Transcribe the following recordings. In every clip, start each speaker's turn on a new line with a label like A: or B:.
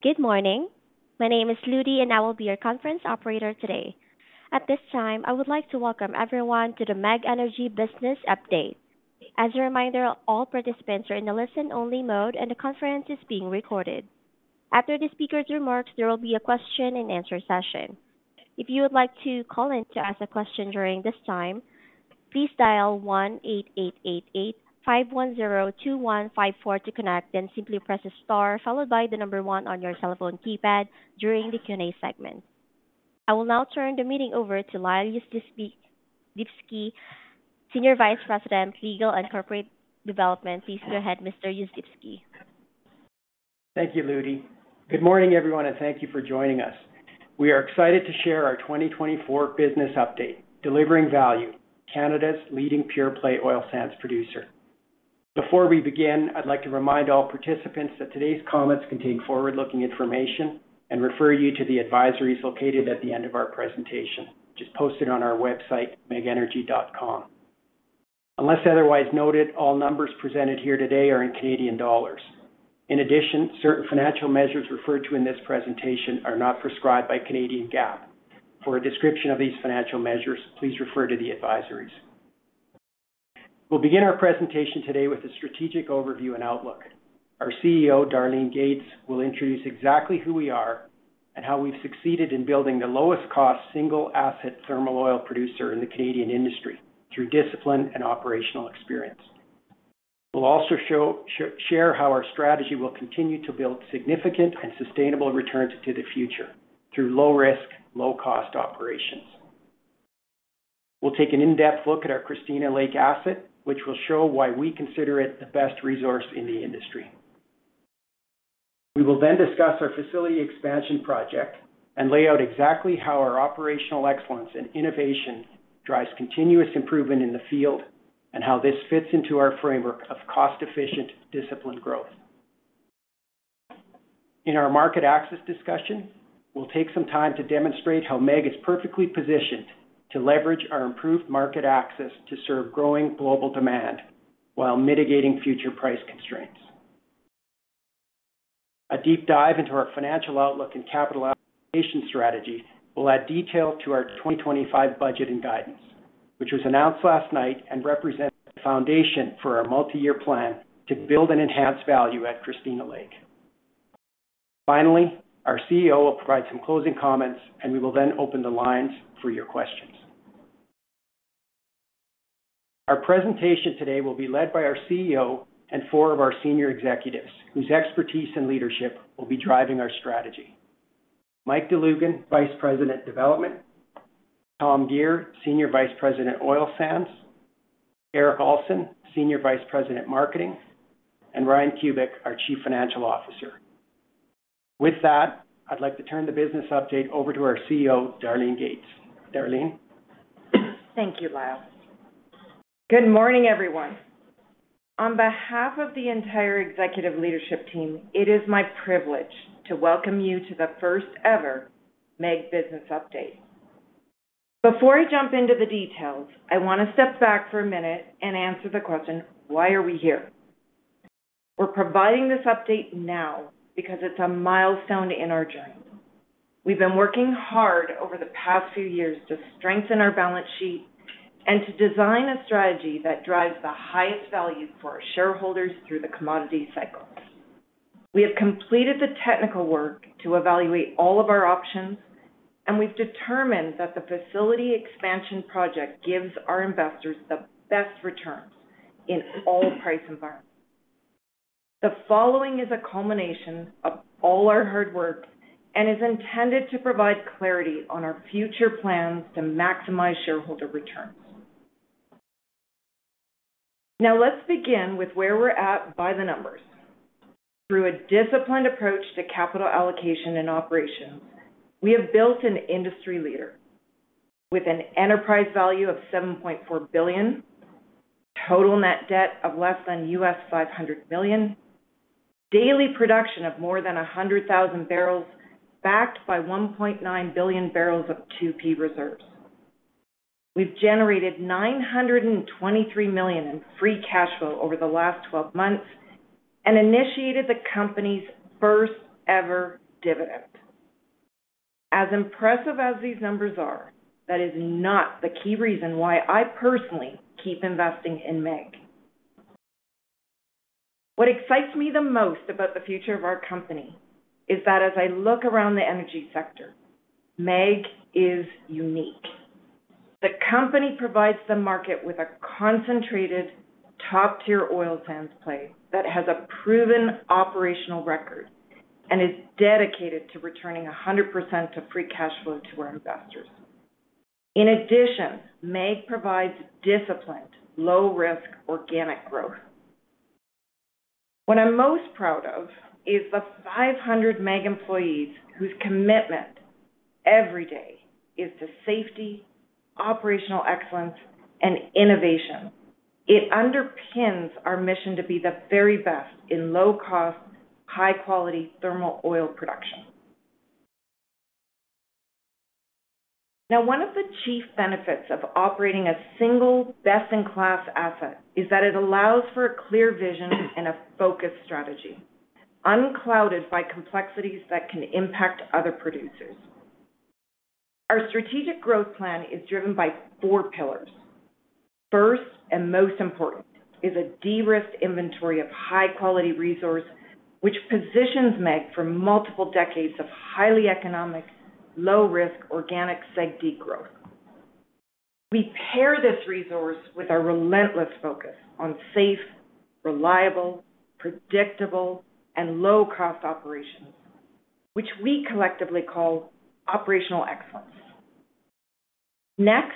A: Good morning. My name is Ludi, and I will be your conference operator today. At this time, I would like to welcome everyone to the MEG Energy Business Update. As a reminder, all participants are in the listen-only mode, and the conference is being recorded. After the speaker's remarks, there will be a question-and-answer session. If you would like to call in to ask a question during this time, please dial 1-888-885-102154 to connect, then simply press a star followed by the number one on your telephone keypad during the Q&A segment. I will now turn the meeting over to Lyle Yuzdepski, Senior Vice President, Legal and Corporate Development. Please go ahead, Mr. Yuzdepski.
B: Thank you, Ludi. Good morning, everyone, and thank you for joining us. We are excited to share our 2024 Business Update, Delivering Value, Canada's leading pure-play oil sands producer. Before we begin, I'd like to remind all participants that today's comments contain forward-looking information and refer you to the advisories located at the end of our presentation, which is posted on our website, megenergy.com. Unless otherwise noted, all numbers presented here today are in Canadian dollars. In addition, certain financial measures referred to in this presentation are not prescribed by Canadian GAAP. For a description of these financial measures, please refer to the advisories. We'll begin our presentation today with a strategic overview and outlook. Our CEO, Darlene Gates, will introduce exactly who we are and how we've succeeded in building the lowest-cost single-asset thermal oil producer in the Canadian industry through discipline and operational experience. We'll also share how our strategy will continue to build significant and sustainable returns into the future through low-risk, low-cost operations. We'll take an in-depth look at our Christina Lake asset, which will show why we consider it the best resource in the industry. We will then discuss our facility expansion project and lay out exactly how our operational excellence and innovation drives continuous improvement in the field and how this fits into our framework of cost-efficient discipline growth. In our market access discussion, we'll take some time to demonstrate how MEG is perfectly positioned to leverage our improved market access to serve growing global demand while mitigating future price constraints. A deep dive into our financial outlook and capitalization strategy will add detail to our 2025 budget and guidance, which was announced last night and represents the foundation for our multi-year plan to build and enhance value at Christina Lake. Finally, our CEO will provide some closing comments, and we will then open the lines for your questions. Our presentation today will be led by our CEO and four of our senior executives, whose expertise and leadership will be driving our strategy: Mike Dlugan, Vice President, Development, Tom Gear, Senior Vice President, Oil Sands, Erik Alson, Senior Vice President, Marketing, and Ryan Kubik, our Chief Financial Officer. With that, I'd like to turn the business update over to our CEO, Darlene Gates. Darlene.
C: Thank you, Lyle. Good morning, everyone. On behalf of the entire executive leadership team, it is my privilege to welcome you to the first-ever MEG Business Update. Before I jump into the details, I want to step back for a minute and answer the question, why are we here? We're providing this update now because it's a milestone in our journey. We've been working hard over the past few years to strengthen our balance sheet and to design a strategy that drives the highest value for our shareholders through the commodity cycle. We have completed the technical work to evaluate all of our options, and we've determined that the facility expansion project gives our investors the best returns in all price environments. The following is a culmination of all our hard work and is intended to provide clarity on our future plans to maximize shareholder returns. Now, let's begin with where we're at by the numbers. Through a disciplined approach to capital allocation and operations, we have built an industry leader with an enterprise value of 7.4 billion, total net debt of less than $500 million, daily production of more than 100,000 barrels backed by 1.9 billion barrels of 2P reserves. We've generated 923 million in free cash flow over the last 12 months and initiated the company's first-ever dividend. As impressive as these numbers are, that is not the key reason why I personally keep investing in MEG. What excites me the most about the future of our company is that as I look around the energy sector, MEG is unique. The company provides the market with a concentrated top-tier oil sands play that has a proven operational record and is dedicated to returning 100% of free cash flow to our investors. In addition, MEG provides disciplined, low-risk organic growth. What I'm most proud of is the 500 MEG employees whose commitment every day is to safety, operational excellence, and innovation. It underpins our mission to be the very best in low-cost, high-quality thermal oil production. Now, one of the chief benefits of operating a single best-in-class asset is that it allows for a clear vision and a focused strategy, unclouded by complexities that can impact other producers. Our strategic growth plan is driven by four pillars. First and most important is a de-risked inventory of high-quality resource, which positions MEG for multiple decades of highly economic, low-risk organic SAGD growth. We pair this resource with our relentless focus on safe, reliable, predictable, and low-cost operations, which we collectively call operational excellence. Next,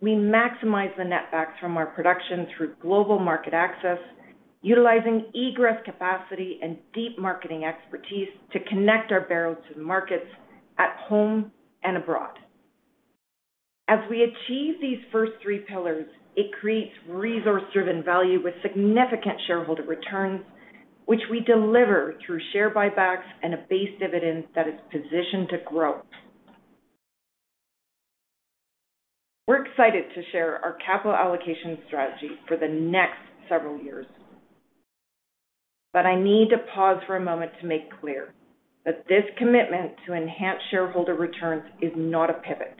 C: we maximize the netback from our production through global market access, utilizing egress capacity and deep marketing expertise to connect our barrels to the markets at home and abroad. As we achieve these first three pillars, it creates resource-driven value with significant shareholder returns, which we deliver through share buybacks and a base dividend that is positioned to grow. We're excited to share our capital allocation strategy for the next several years, but I need to pause for a moment to make clear that this commitment to enhance shareholder returns is not a pivot.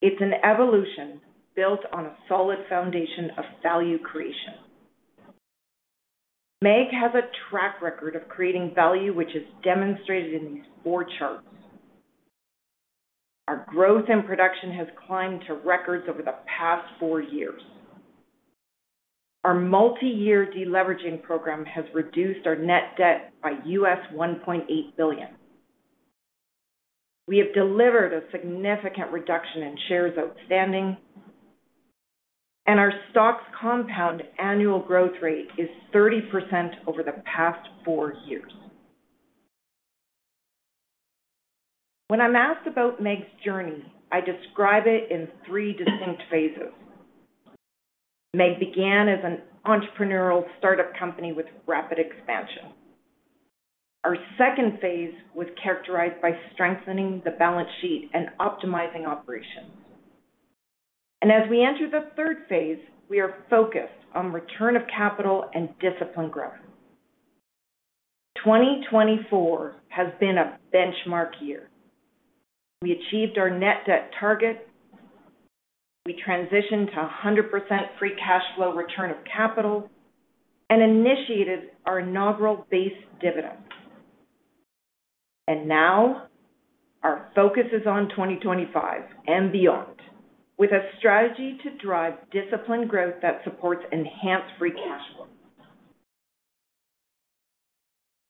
C: It's an evolution built on a solid foundation of value creation. MEG has a track record of creating value, which is demonstrated in these four charts. Our growth in production has climbed to records over the past four years. Our multi-year deleveraging program has reduced our net debt by $1.8 billion. We have delivered a significant reduction in shares outstanding, and our stock's compound annual growth rate is 30% over the past four years. When I'm asked about MEG's journey, I describe it in three distinct phases. MEG began as an entrepreneurial startup company with rapid expansion. Our second phase was characterized by strengthening the balance sheet and optimizing operations, and as we enter the third phase, we are focused on return of capital and disciplined growth. 2024 has been a benchmark year. We achieved our net debt target. We transitioned to 100% free cash flow return of capital and initiated our inaugural base dividend, and now our focus is on 2025 and beyond, with a strategy to drive disciplined growth that supports enhanced free cash flow.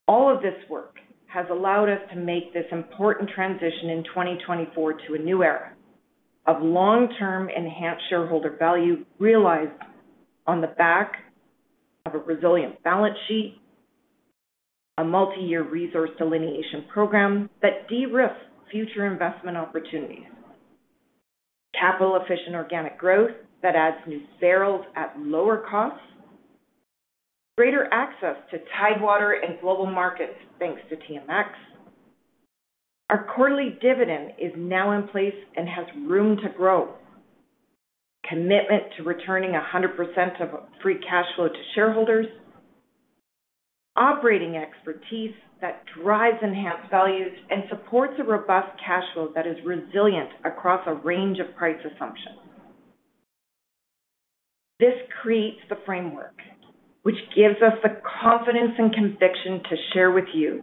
C: All of this work has allowed us to make this important transition in 2024 to a new era of long-term enhanced shareholder value realized on the back of a resilient balance sheet, a multi-year resource delineation program that de-risk future investment opportunities, capital-efficient organic growth that adds new barrels at lower costs, greater access to tidewater and global markets thanks to TMX. Our quarterly dividend is now in place and has room to grow, commitment to returning 100% of free cash flow to shareholders, operating expertise that drives enhanced values and supports a robust cash flow that is resilient across a range of price assumptions. This creates the framework, which gives us the confidence and conviction to share with you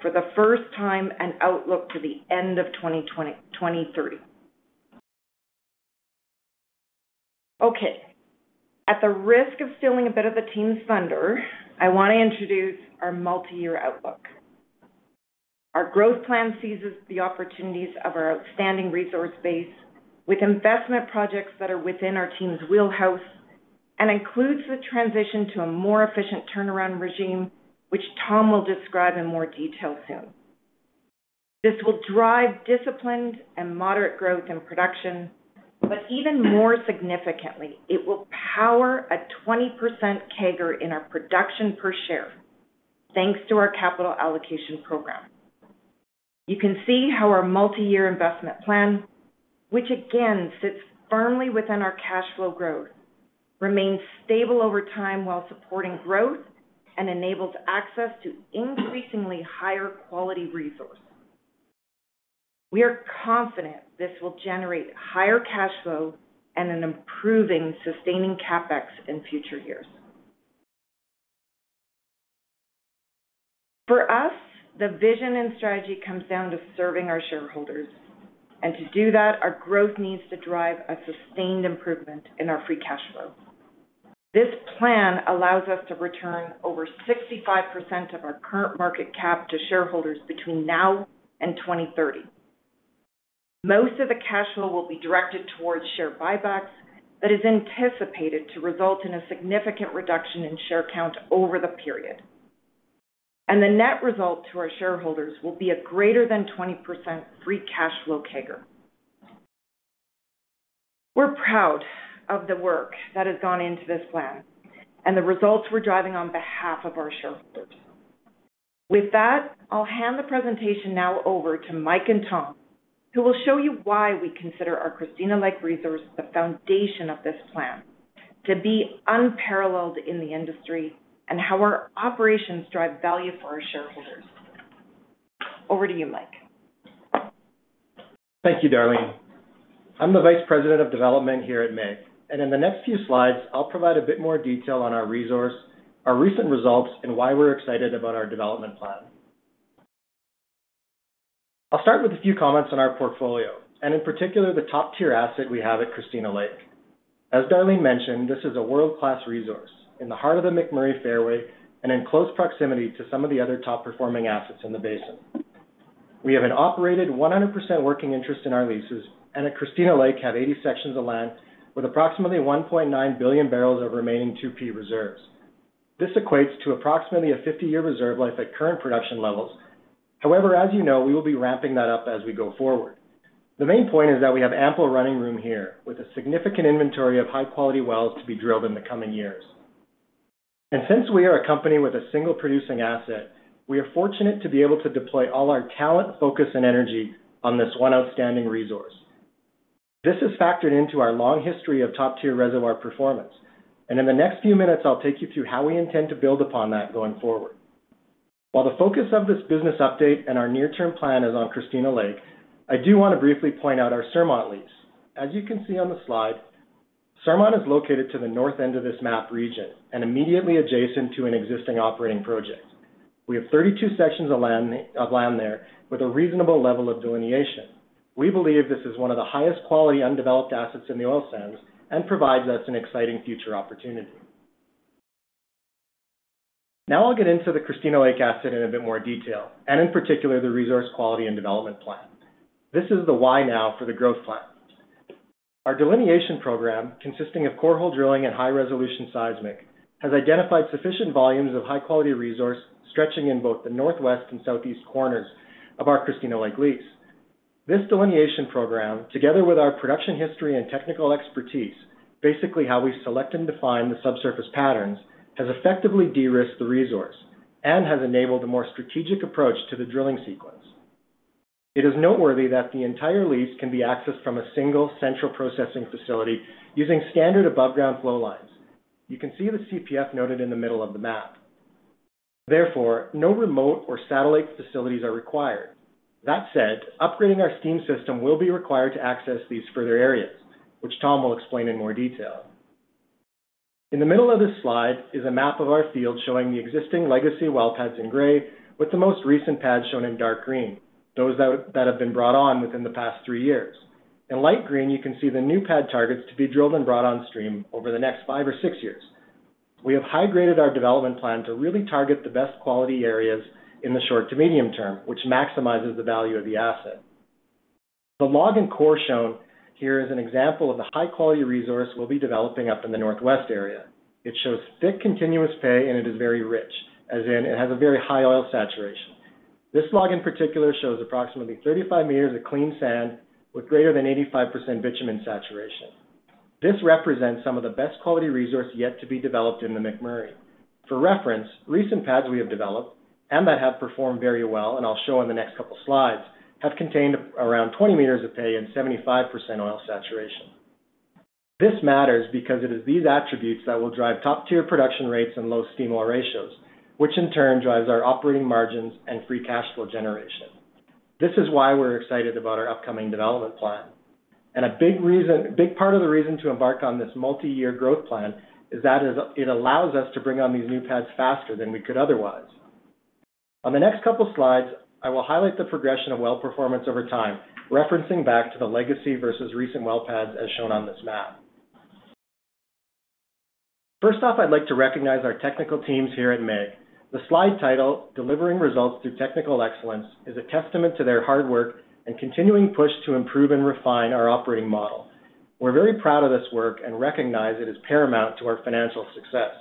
C: for the first time an outlook to the end of 2030. Okay. At the risk of stealing a bit of the team's thunder, I want to introduce our multi-year outlook. Our growth plan seizes the opportunities of our outstanding resource base with investment projects that are within our team's wheelhouse and includes the transition to a more efficient turnaround regime, which Tom will describe in more detail soon. This will drive disciplined and moderate growth in production, but even more significantly, it will power a 20% CAGR in our production per share thanks to our capital allocation program. You can see how our multi-year investment plan, which again sits firmly within our cash flow growth, remains stable over time while supporting growth and enables access to increasingly higher quality resource. We are confident this will generate higher cash flow and an improving sustaining CapEx in future years. For us, the vision and strategy comes down to serving our shareholders. And to do that, our growth needs to drive a sustained improvement in our free cash flow. This plan allows us to return over 65% of our current market cap to shareholders between now and 2030. Most of the cash flow will be directed towards share buybacks that is anticipated to result in a significant reduction in share count over the period. And the net result to our shareholders will be a greater than 20% free cash flow CAGR. We're proud of the work that has gone into this plan and the results we're driving on behalf of our shareholders. With that, I'll hand the presentation now over to Mike and Tom, who will show you why we consider our Christina Lake resource the foundation of this plan to be unparalleled in the industry and how our operations drive value for our shareholders. Over to you, Mike.
D: Thank you, Darlene. I'm the Vice President of Development here at MEG, and in the next few slides, I'll provide a bit more detail on our resource, our recent results, and why we're excited about our development plan. I'll start with a few comments on our portfolio, and in particular, the top-tier asset we have at Christina Lake. As Darlene mentioned, this is a world-class resource in the heart of the McMurray Fairway and in close proximity to some of the other top-performing assets in the basin. We have an operated 100% working interest in our leases, and at Christina Lake, we have 80 sections of land with approximately 1.9 billion barrels of remaining 2P reserves. This equates to approximately a 50-year reserve life at current production levels. However, as you know, we will be ramping that up as we go forward. The main point is that we have ample running room here with a significant inventory of high-quality wells to be drilled in the coming years. And since we are a company with a single producing asset, we are fortunate to be able to deploy all our talent, focus, and energy on this one outstanding resource. This is factored into our long history of top-tier reservoir performance. And in the next few minutes, I'll take you through how we intend to build upon that going forward. While the focus of this business update and our near-term plan is on Christina Lake, I do want to briefly point out our Surmont lease. As you can see on the slide, Surmont is located to the north end of this map region and immediately adjacent to an existing operating project. We have 32 sections of land there with a reasonable level of delineation. We believe this is one of the highest quality undeveloped assets in the oil sands and provides us an exciting future opportunity. Now I'll get into the Christina Lake asset in a bit more detail, and in particular, the resource quality and development plan. This is the why now for the growth plan. Our delineation program, consisting of core drilling and high-resolution seismic, has identified sufficient volumes of high-quality resource stretching in both the northwest and southeast corners of our Christina Lake lease. This delineation program, together with our production history and technical expertise, basically how we select and define the subsurface patterns, has effectively de-risked the resource and has enabled a more strategic approach to the drilling sequence. It is noteworthy that the entire lease can be accessed from a single central processing facility using standard above-ground flowlines. You can see the CPF noted in the middle of the map. Therefore, no remote or satellite facilities are required. That said, upgrading our steam system will be required to access these further areas, which Tom will explain in more detail. In the middle of this slide is a map of our field showing the existing legacy well pads in gray, with the most recent pads shown in dark green, those that have been brought on within the past three years. In light green, you can see the new pad targets to be drilled and brought on stream over the next five or six years. We have high-graded our development plan to really target the best quality areas in the short to medium term, which maximizes the value of the asset. The log and core shown here is an example of the high-quality resource we'll be developing up in the northwest area. It shows thick continuous pay, and it is very rich, as in it has a very high oil saturation. This log in particular shows approximately 35 meters of clean sand with greater than 85% bitumen saturation. This represents some of the best quality resource yet to be developed in the McMurray. For reference, recent pads we have developed and that have performed very well, and I'll show on the next couple of slides, have contained around 20 meters of pay and 75% oil saturation. This matters because it is these attributes that will drive top-tier production rates and low steam-oil ratios, which in turn drives our operating margins and free cash flow generation. This is why we're excited about our upcoming development plan. A big part of the reason to embark on this multi-year growth plan is that it allows us to bring on these new pads faster than we could otherwise. On the next couple of slides, I will highlight the progression of well performance over time, referencing back to the legacy versus recent well pads as shown on this map. First off, I'd like to recognize our technical teams here at MEG. The slide titled "Delivering Results Through Technical Excellence" is a testament to their hard work and continuing push to improve and refine our operating model. We're very proud of this work and recognize it is paramount to our financial success.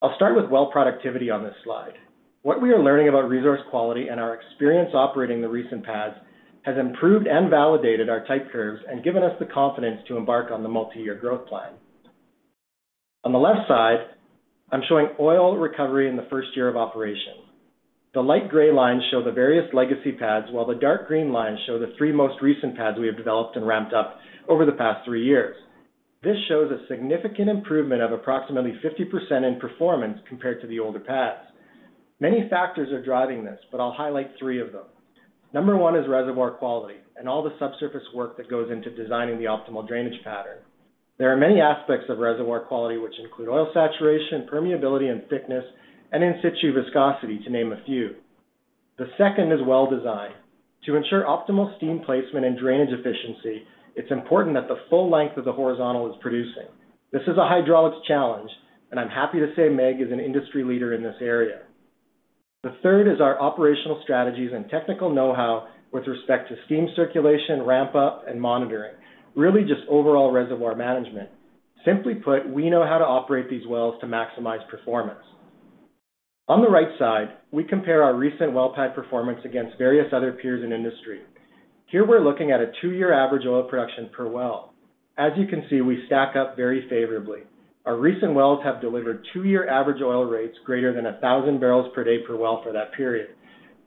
D: I'll start with well productivity on this slide. What we are learning about resource quality and our experience operating the recent pads has improved and validated our type curves and given us the confidence to embark on the multi-year growth plan. On the left side, I'm showing oil recovery in the first year of operation. The light gray lines show the various legacy pads, while the dark green lines show the three most recent pads we have developed and ramped up over the past three years. This shows a significant improvement of approximately 50% in performance compared to the older pads. Many factors are driving this, but I'll highlight three of them. Number one is reservoir quality and all the subsurface work that goes into designing the optimal drainage pattern. There are many aspects of reservoir quality, which include oil saturation, permeability, and thickness, and in situ viscosity, to name a few. The second is well design. To ensure optimal steam placement and drainage efficiency, it's important that the full length of the horizontal is producing. This is a hydraulics challenge, and I'm happy to say MEG is an industry leader in this area. The third is our operational strategies and technical know-how with respect to steam circulation, ramp-up, and monitoring, really just overall reservoir management. Simply put, we know how to operate these wells to maximize performance. On the right side, we compare our recent well pad performance against various other peers in industry. Here, we're looking at a two-year average oil production per well. As you can see, we stack up very favorably. Our recent wells have delivered two-year average oil rates greater than 1,000 barrels per day per well for that period.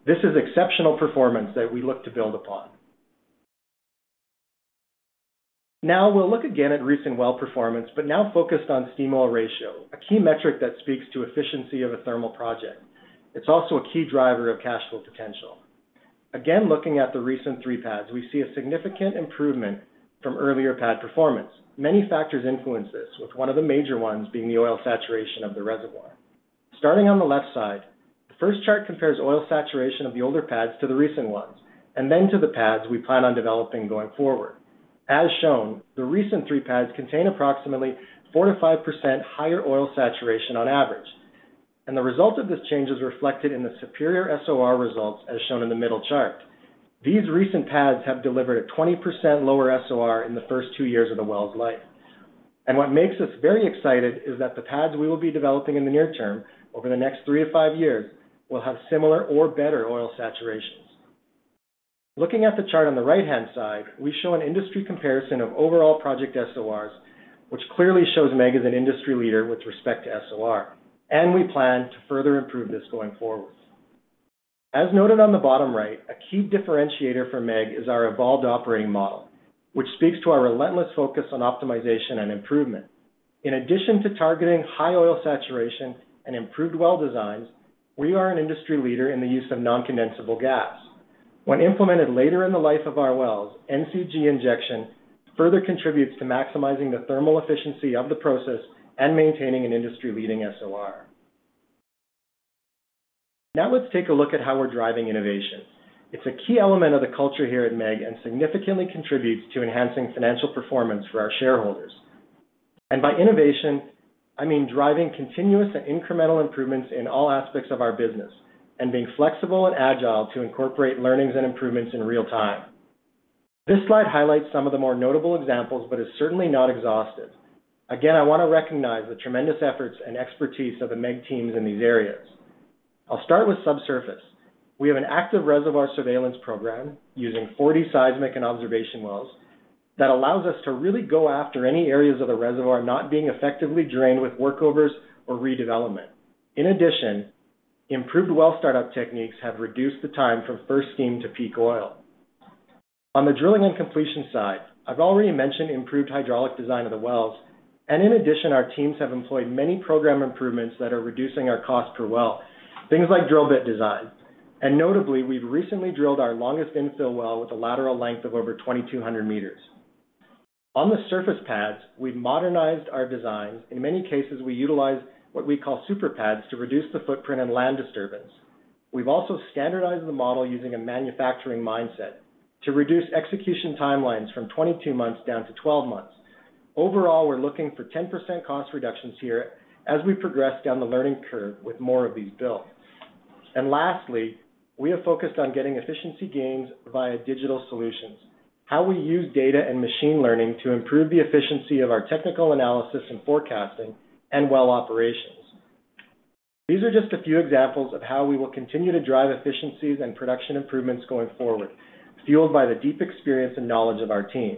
D: This is exceptional performance that we look to build upon. Now we'll look again at recent well performance, but now focused on steam oil ratio, a key metric that speaks to efficiency of a thermal project. It's also a key driver of cash flow potential. Again, looking at the recent three pads, we see a significant improvement from earlier pad performance. Many factors influence this, with one of the major ones being the oil saturation of the reservoir. Starting on the left side, the first chart compares oil saturation of the older pads to the recent ones, and then to the pads we plan on developing going forward. As shown, the recent three pads contain approximately 4%-5% higher oil saturation on average, and the result of this change is reflected in the superior SOR results, as shown in the middle chart. These recent pads have delivered a 20% lower SOR in the first two years of the well's life, and what makes us very excited is that the pads we will be developing in the near term over the next three to five years will have similar or better oil saturations. Looking at the chart on the right-hand side, we show an industry comparison of overall project SORs, which clearly shows MEG is an industry leader with respect to SOR, and we plan to further improve this going forward. As noted on the bottom right, a key differentiator for MEG is our evolved operating model, which speaks to our relentless focus on optimization and improvement. In addition to targeting high oil saturation and improved well designs, we are an industry leader in the use of non-condensable gas. When implemented later in the life of our wells, NCG injection further contributes to maximizing the thermal efficiency of the process and maintaining an industry-leading SOR. Now let's take a look at how we're driving innovation. It's a key element of the culture here at MEG and significantly contributes to enhancing financial performance for our shareholders. And by innovation, I mean driving continuous and incremental improvements in all aspects of our business and being flexible and agile to incorporate learnings and improvements in real time. This slide highlights some of the more notable examples, but is certainly not exhaustive. Again, I want to recognize the tremendous efforts and expertise of the MEG teams in these areas. I'll start with subsurface. We have an active reservoir surveillance program using 4D seismic and observation wells that allows us to really go after any areas of the reservoir not being effectively drained with workovers or redevelopment. In addition, improved well startup techniques have reduced the time from first steam to peak oil. On the drilling and completion side, I've already mentioned improved hydraulic design of the wells. And in addition, our teams have employed many program improvements that are reducing our cost per well, things like drill bit design. And notably, we've recently drilled our longest infill well with a lateral length of over 2,200 meters. On the surface pads, we've modernized our designs. In many cases, we utilize what we call super pads to reduce the footprint and land disturbance. We've also standardized the model using a manufacturing mindset to reduce execution timelines from 22 months down to 12 months. Overall, we're looking for 10% cost reductions here as we progress down the learning curve with more of these built. And lastly, we have focused on getting efficiency gains via digital solutions, how we use data and machine learning to improve the efficiency of our technical analysis and forecasting and well operations. These are just a few examples of how we will continue to drive efficiencies and production improvements going forward, fueled by the deep experience and knowledge of our team.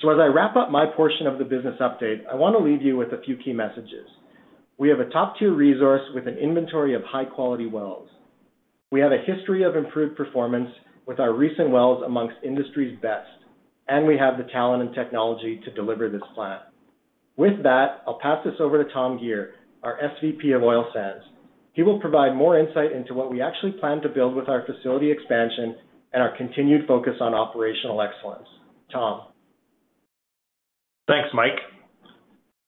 D: So as I wrap up my portion of the business update, I want to leave you with a few key messages. We have a top-tier resource with an inventory of high-quality wells. We have a history of improved performance with our recent wells amongst industry's best, and we have the talent and technology to deliver this plan. With that, I'll pass this over to Tom Gear, our SVP of Oil Sands. He will provide more insight into what we actually plan to build with our facility expansion and our continued focus on operational excellence. Tom.
E: Thanks, Mike.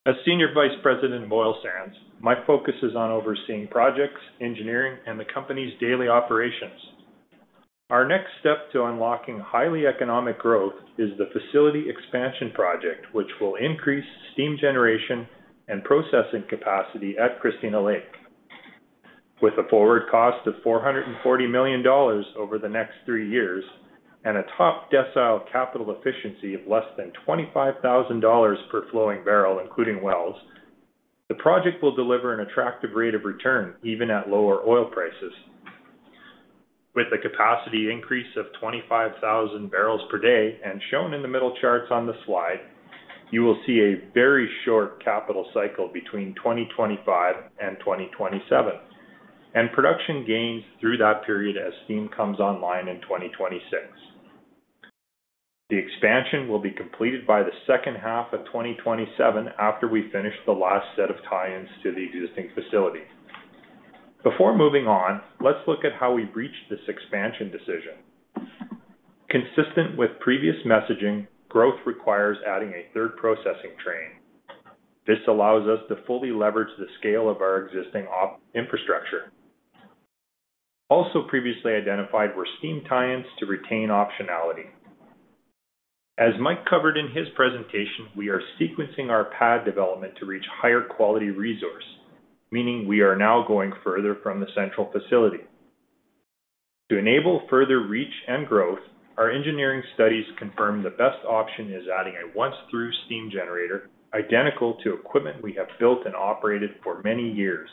E: As Senior Vice President of Oil Sands, my focus is on overseeing projects, engineering, and the company's daily operations. Our next step to unlocking highly economic growth is the facility expansion project, which will increase steam generation and processing capacity at Christina Lake. With a forward cost of 440 million dollars over the next three years and a top decile capital efficiency of less than 25,000 dollars per flowing barrel, including wells, the project will deliver an attractive rate of return even at lower oil prices. With a capacity increase of 25,000 barrels per day, and shown in the middle charts on the slide, you will see a very short capital cycle between 2025 and 2027, and production gains through that period as steam comes online in 2026. The expansion will be completed by the second half of 2027 after we finish the last set of tie-ins to the existing facility. Before moving on, let's look at how we reached this expansion decision. Consistent with previous messaging, growth requires adding a third processing train. This allows us to fully leverage the scale of our existing infrastructure. Also previously identified were steam tie-ins to retain optionality. As Mike covered in his presentation, we are sequencing our pad development to reach higher quality resource, meaning we are now going further from the central facility. To enable further reach and growth, our engineering studies confirm the best option is adding a once-through steam generator identical to equipment we have built and operated for many years.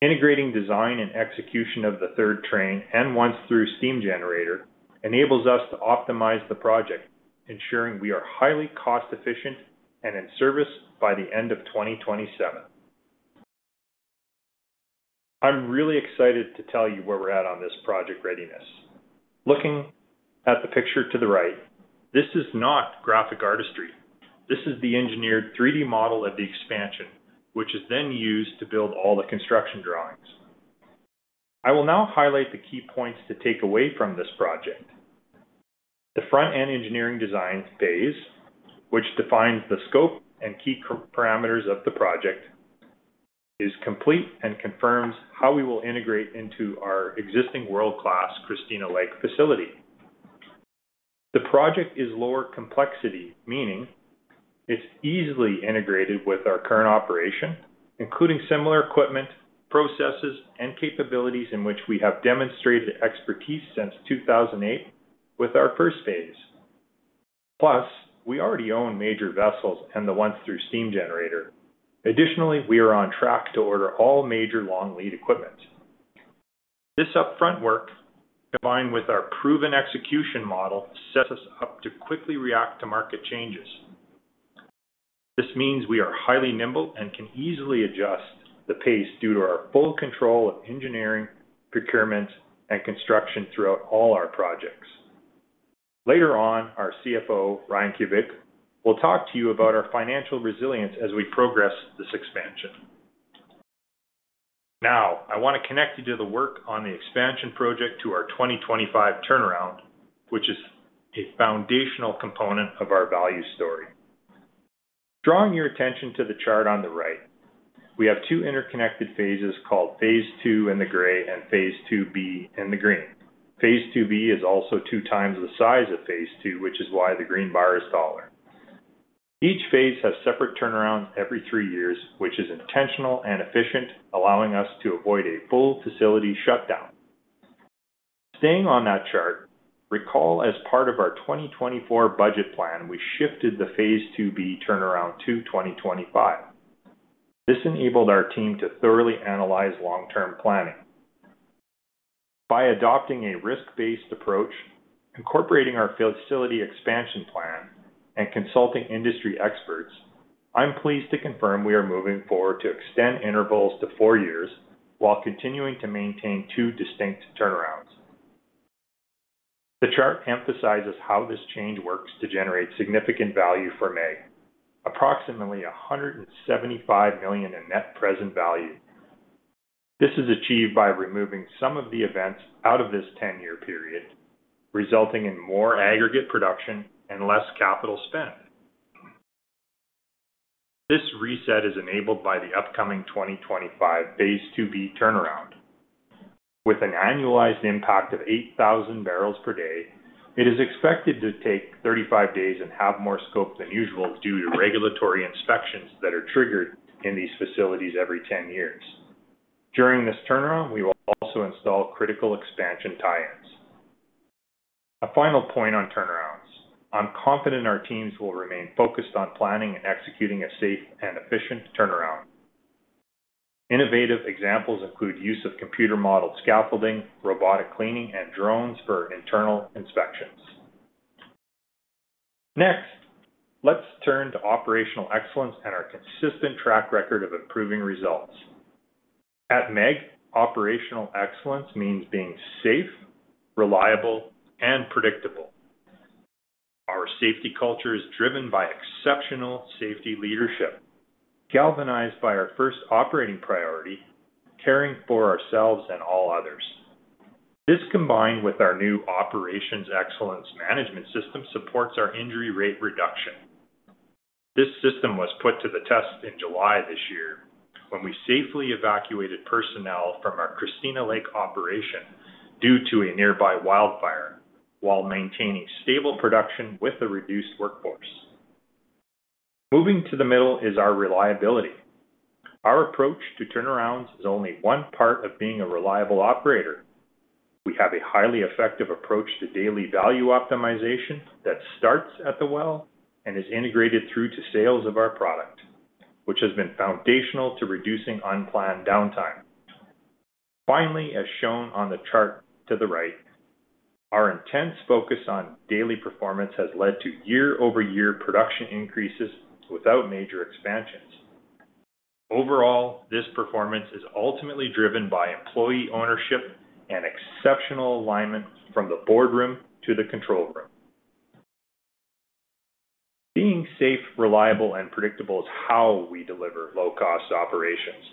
E: Integrating design and execution of the third train and once-through steam generator enables us to optimize the project, ensuring we are highly cost-efficient and in service by the end of 2027. I'm really excited to tell you where we're at on this project readiness. Looking at the picture to the right, this is not graphic artistry. This is the engineered 3D model of the expansion, which is then used to build all the construction drawings. I will now highlight the key points to take away from this project. The front-end engineering design phase, which defines the scope and key parameters of the project, is complete and confirms how we will integrate into our existing world-class Christina Lake facility. The project is lower complexity, meaning it's easily integrated with our current operation, including similar equipment, processes, and capabilities in which we have demonstrated expertise since 2008 with our first phase. Plus, we already own major vessels and the once-through steam generator. Additionally, we are on track to order all major long lead equipment. This upfront work, combined with our proven execution model, sets us up to quickly react to market changes. This means we are highly nimble and can easily adjust the pace due to our full control of engineering, procurement, and construction throughout all our projects. Later on, our CFO, Ryan Kubik, will talk to you about our financial resilience as we progress this expansion. Now, I want to connect you to the work on the expansion project to our 2025 turnaround, which is a foundational component of our value story. Drawing your attention to the chart on the right, we have two interconnected phases called Phase 2 in the gray and Phase 2B in the green. Phase 2B is also two times the size of Phase 2, which is why the green bar is taller. Each phase has separate turnarounds every three years, which is intentional and efficient, allowing us to avoid a full facility shutdown. Staying on that chart, recall as part of our 2024 budget plan, we shifted the Phase 2B turnaround to 2025. This enabled our team to thoroughly analyze long-term planning. By adopting a risk-based approach, incorporating our facility expansion plan, and consulting industry experts, I'm pleased to confirm we are moving forward to extend intervals to four years while continuing to maintain two distinct turnarounds. The chart emphasizes how this change works to generate significant value for MEG, approximately 175 million in net present value. This is achieved by removing some of the events out of this 10-year period, resulting in more aggregate production and less capital spend. This reset is enabled by the upcoming 2025 Phase 2B turnaround. With an annualized impact of 8,000 barrels per day, it is expected to take 35 days and have more scope than usual due to regulatory inspections that are triggered in these facilities every 10 years. During this turnaround, we will also install critical expansion tie-ins. A final point on turnarounds. I'm confident our teams will remain focused on planning and executing a safe and efficient turnaround. Innovative examples include use of computer-modeled scaffolding, robotic cleaning, and drones for internal inspections. Next, let's turn to operational excellence and our consistent track record of improving results. At MEG, operational excellence means being safe, reliable, and predictable. Our safety culture is driven by exceptional safety leadership, galvanized by our first operating priority, caring for ourselves and all others. This combined with our new Operational Excellence Management System supports our injury rate reduction. This system was put to the test in July this year when we safely evacuated personnel from our Christina Lake operation due to a nearby wildfire while maintaining stable production with a reduced workforce. Moving to the middle is our reliability. Our approach to turnarounds is only one part of being a reliable operator. We have a highly effective approach to daily value optimization that starts at the well and is integrated through to sales of our product, which has been foundational to reducing unplanned downtime. Finally, as shown on the chart to the right, our intense focus on daily performance has led to year-over-year production increases without major expansions. Overall, this performance is ultimately driven by employee ownership and exceptional alignment from the boardroom to the control room. Being safe, reliable, and predictable is how we deliver low-cost operations.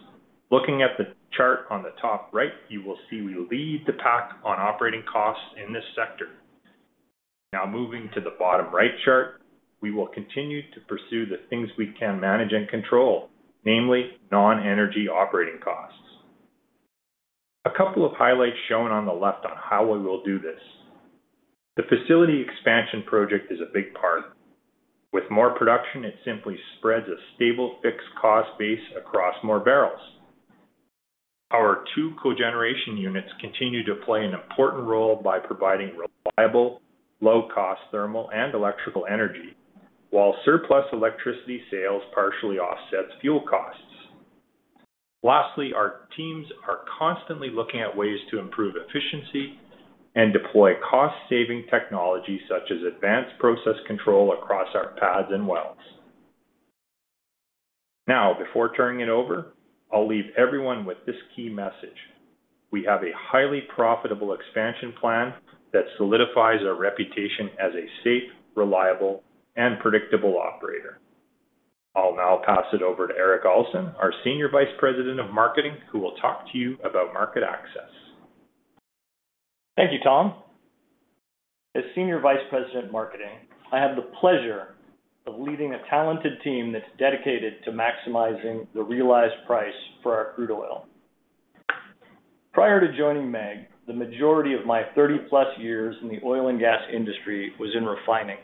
E: Looking at the chart on the top right, you will see we lead the pack on operating costs in this sector. Now moving to the bottom right chart, we will continue to pursue the things we can manage and control, namely non-energy operating costs. A couple of highlights shown on the left on how we will do this. The facility expansion project is a big part. With more production, it simply spreads a stable fixed cost base across more barrels. Our two cogeneration units continue to play an important role by providing reliable, low-cost thermal and electrical energy, while surplus electricity sales partially offsets fuel costs. Lastly, our teams are constantly looking at ways to improve efficiency and deploy cost-saving technology such as advanced process control across our pads and wells. Now, before turning it over, I'll leave everyone with this key message. We have a highly profitable expansion plan that solidifies our reputation as a safe, reliable, and predictable operator. I'll now pass it over to Erik Alson, our Senior Vice President of Marketing, who will talk to you about market access.
F: Thank you, Tom. As Senior Vice President of Marketing, I have the pleasure of leading a talented team that's dedicated to maximizing the realized price for our crude oil. Prior to joining MEG, the majority of my 30-plus years in the oil and gas industry was in refining,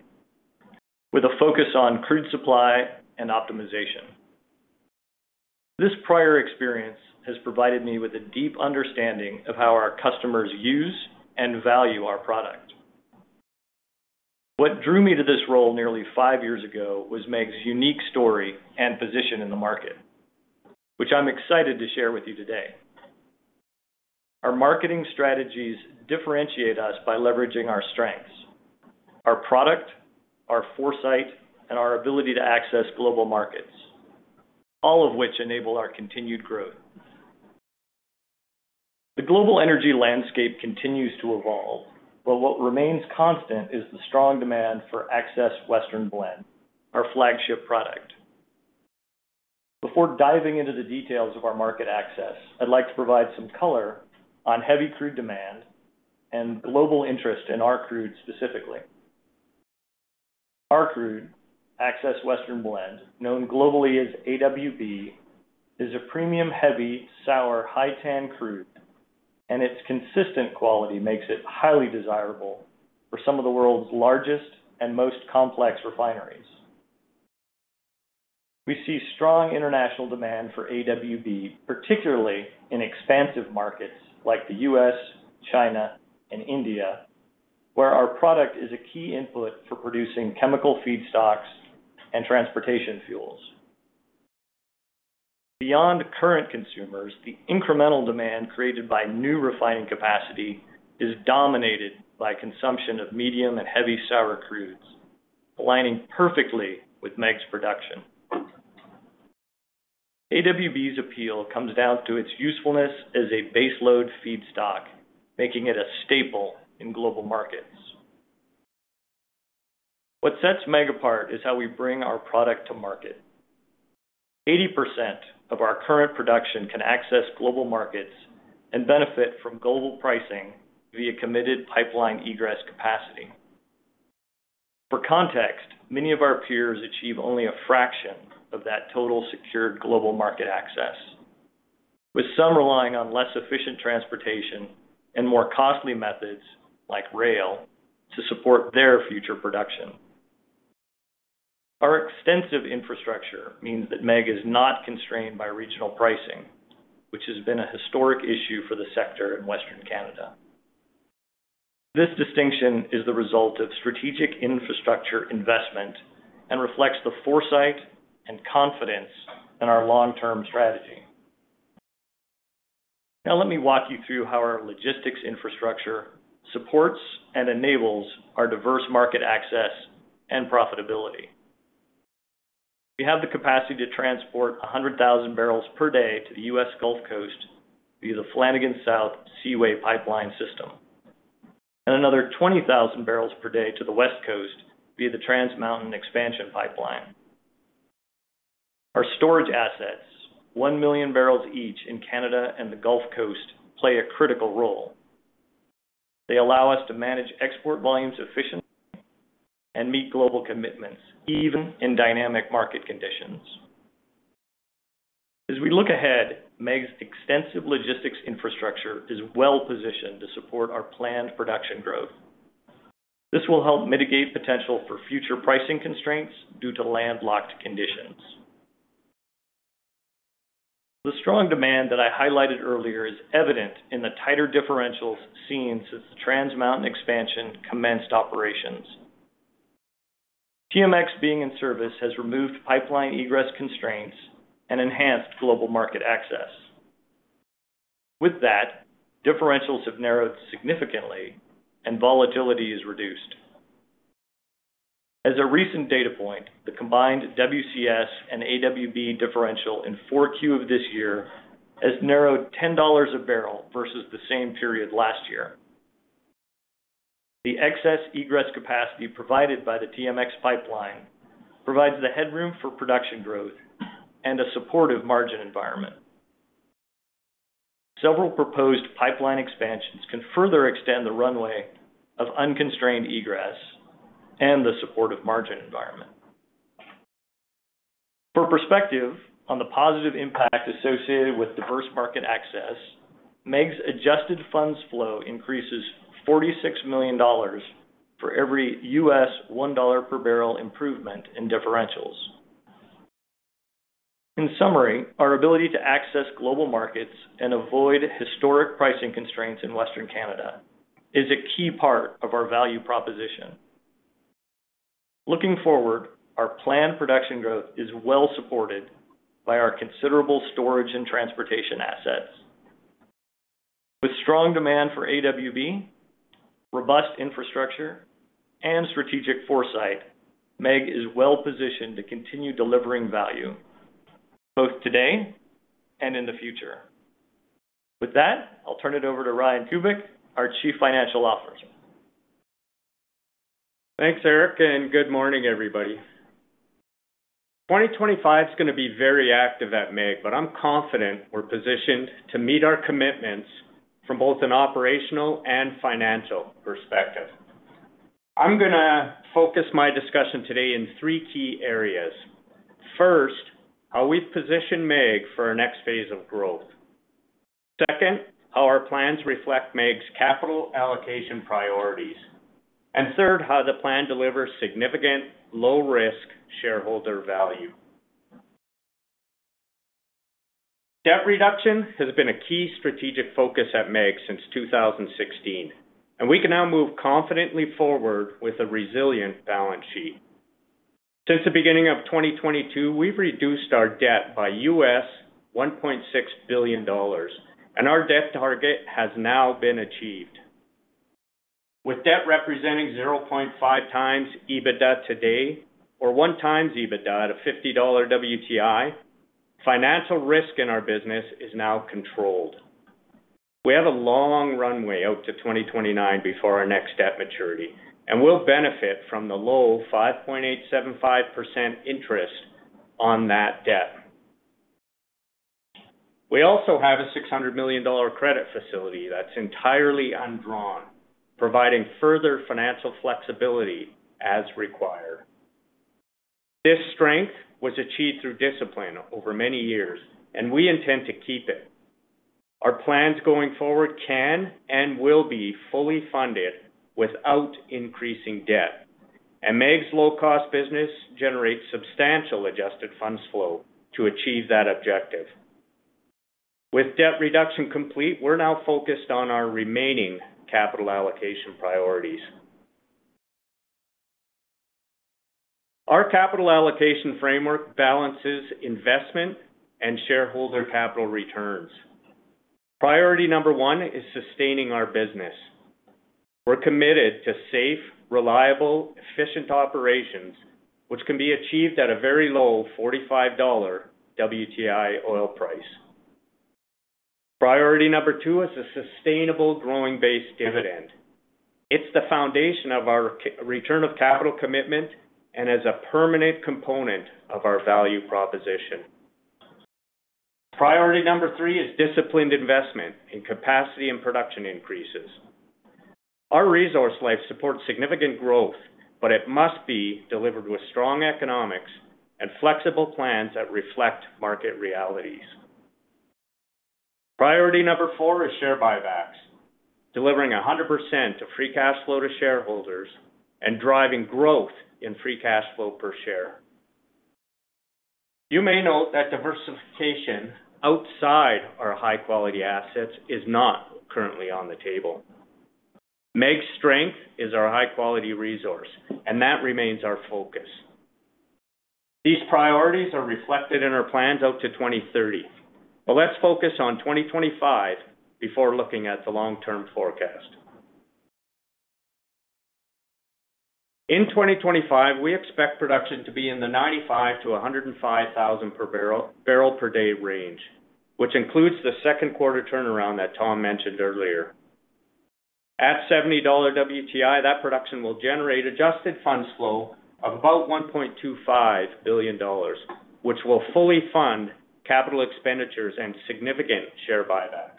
F: with a focus on crude supply and optimization. This prior experience has provided me with a deep understanding of how our customers use and value our product. What drew me to this role nearly five years ago was MEG's unique story and position in the market, which I'm excited to share with you today. Our marketing strategies differentiate us by leveraging our strengths: our product, our foresight, and our ability to access global markets, all of which enable our continued growth. The global energy landscape continues to evolve, but what remains constant is the strong demand for Access Western Blend, our flagship product. Before diving into the details of our market access, I'd like to provide some color on heavy crude demand and global interest in our crude specifically. Our crude, Access Western Blend, known globally as AWB, is a premium heavy sour high TAN crude, and its consistent quality makes it highly desirable for some of the world's largest and most complex refineries. We see strong international demand for AWB, particularly in expansive markets like the US, China, and India, where our product is a key input for producing chemical feedstocks and transportation fuels. Beyond current consumers, the incremental demand created by new refining capacity is dominated by consumption of medium and heavy sour crudes, aligning perfectly with MEG's production. AWB's appeal comes down to its usefulness as a baseload feedstock, making it a staple in global markets. What sets MEG apart is how we bring our product to market. 80% of our current production can access global markets and benefit from global pricing via committed pipeline egress capacity. For context, many of our peers achieve only a fraction of that total secured global market access, with some relying on less efficient transportation and more costly methods like rail to support their future production. Our extensive infrastructure means that MEG is not constrained by regional pricing, which has been a historic issue for the sector in Western Canada. This distinction is the result of strategic infrastructure investment and reflects the foresight and confidence in our long-term strategy. Now, let me walk you through how our logistics infrastructure supports and enables our diverse market access and profitability. We have the capacity to transport 100,000 barrels per day to the U.S. Gulf Coast via the Flanagan South Seaway Pipeline System and another 20,000 barrels per day to the West Coast via the Trans Mountain Expansion Pipeline. Our storage assets, one million barrels each in Canada and the Gulf Coast, play a critical role. They allow us to manage export volumes efficiently and meet global commitments even in dynamic market conditions. As we look ahead, MEG's extensive logistics infrastructure is well-positioned to support our planned production growth. This will help mitigate potential for future pricing constraints due to landlocked conditions. The strong demand that I highlighted earlier is evident in the tighter differentials seen since the Trans Mountain Expansion commenced operations. TMX being in service has removed pipeline egress constraints and enhanced global market access. With that, differentials have narrowed significantly and volatility is reduced. As a recent data point, the combined WCS and AWB differential in Q4 of this year has narrowed $10 a barrel versus the same period last year. The excess egress capacity provided by the TMX pipeline provides the headroom for production growth and a supportive margin environment. Several proposed pipeline expansions can further extend the runway of unconstrained egress and the supportive margin environment. For perspective on the positive impact associated with diverse market access, MEG's adjusted funds flow increases 46 million dollars for every $1 per barrel improvement in differentials. In summary, our ability to access global markets and avoid historic pricing constraints in Western Canada is a key part of our value proposition. Looking forward, our planned production growth is well-supported by our considerable storage and transportation assets. With strong demand for AWB, robust infrastructure, and strategic foresight, MEG is well-positioned to continue delivering value both today and in the future. With that, I'll turn it over to Ryan Kubik, our Chief Financial Officer.
G: Thanks, Eric, and good morning, everybody. 2025 is going to be very active at MEG, but I'm confident we're positioned to meet our commitments from both an operational and financial perspective. I'm going to focus my discussion today in three key areas. First, how we've positioned MEG for our next phase of growth. Second, how our plans reflect MEG's capital allocation priorities. And third, how the plan delivers significant low-risk shareholder value. Debt reduction has been a key strategic focus at MEG since 2016, and we can now move confidently forward with a resilient balance sheet. Since the beginning of 2022, we've reduced our debt by $1.6 billion, and our debt target has now been achieved. With debt representing 0.5 times EBITDA today or 1 times EBITDA at a $50 WTI, financial risk in our business is now controlled. We have a long runway out to 2029 before our next debt maturity, and we'll benefit from the low 5.875% interest on that debt. We also have a 600 million dollar credit facility that's entirely undrawn, providing further financial flexibility as required. This strength was achieved through discipline over many years, and we intend to keep it. Our plans going forward can and will be fully funded without increasing debt, and MEG's low-cost business generates substantial adjusted funds flow to achieve that objective. With debt reduction complete, we're now focused on our remaining capital allocation priorities. Our capital allocation framework balances investment and shareholder capital returns. Priority number one is sustaining our business. We're committed to safe, reliable, efficient operations, which can be achieved at a very low $45 WTI oil price. Priority number two is a sustainable growth-based dividend. It's the foundation of our return of capital commitment and as a permanent component of our value proposition. Priority number three is disciplined investment in capacity and production increases. Our resource life supports significant growth, but it must be delivered with strong economics and flexible plans that reflect market realities. Priority number four is share buybacks, delivering 100% of free cash flow to shareholders and driving growth in free cash flow per share. You may note that diversification outside our high-quality assets is not currently on the table. MEG's strength is our high-quality resource, and that remains our focus. These priorities are reflected in our plans out to 2030, but let's focus on 2025 before looking at the long-term forecast. In 2025, we expect production to be in the 95,000-105,000 barrels per day range, which includes the second quarter turnaround that Tom mentioned earlier. At $70 WTI, that production will generate adjusted funds flow of about 1.25 billion dollars, which will fully fund capital expenditures and significant share buybacks.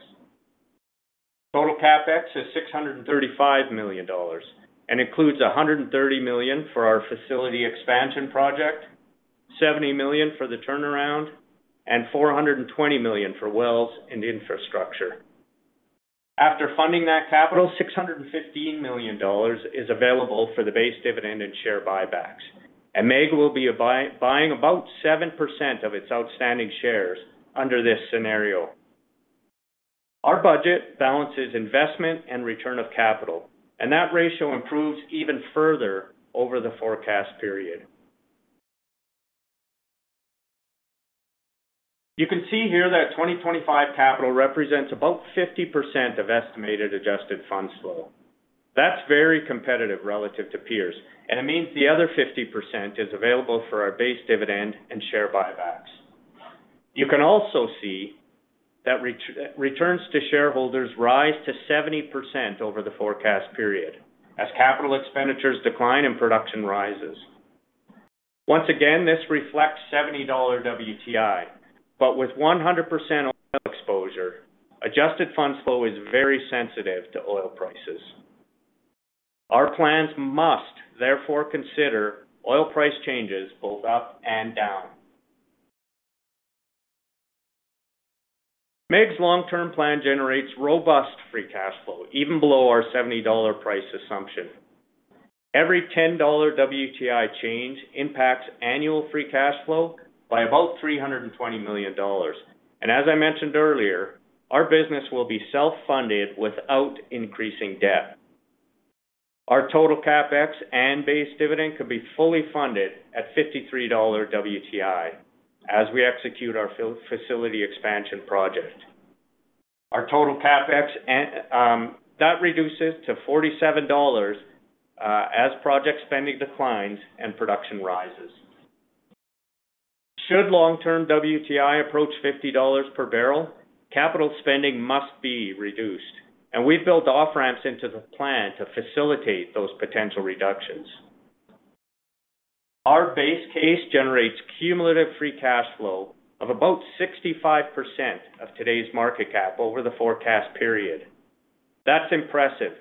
G: Total CapEx is 635 million dollars and includes 130 million for our facility expansion project, 70 million for the turnaround, and 420 million for wells and infrastructure. After funding that capital, 615 million dollars is available for the base dividend and share buybacks, and MEG will be buying about 7% of its outstanding shares under this scenario. Our budget balances investment and return of capital, and that ratio improves even further over the forecast period. You can see here that 2025 capital represents about 50% of estimated adjusted funds flow. That's very competitive relative to peers, and it means the other 50% is available for our base dividend and share buybacks. You can also see that returns to shareholders rise to 70% over the forecast period as capital expenditures decline and production rises. Once again, this reflects $70 WTI, but with 100% oil exposure, adjusted funds flow is very sensitive to oil prices. Our plans must therefore consider oil price changes both up and down. MEG's long-term plan generates robust free cash flow even below our $70 price assumption. Every $10 WTI change impacts annual free cash flow by about $320 million, and as I mentioned earlier, our business will be self-funded without increasing debt. Our total CapEx and base dividend could be fully funded at $53 WTI as we execute our facility expansion project. Our total CapEx that reduces to $47 as project spending declines and production rises. Should long-term WTI approach $50 per barrel, capital spending must be reduced, and we've built off-ramps into the plan to facilitate those potential reductions. Our base case generates cumulative free cash flow of about 65% of today's market cap over the forecast period. That's impressive,